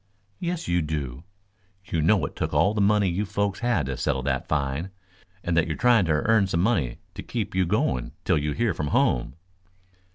"Yes you do. You know it took all the money you folks had to settle that fine, and that you are trying to earn some money to keep you going till you hear from home."